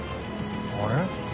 あれ？